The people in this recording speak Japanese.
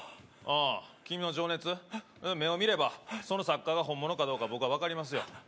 君の情熱目を見ればその作家が本物かどうか僕は分かりますよ。